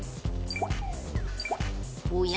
おや？